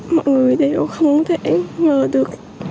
mọi người đều không thể ngờ được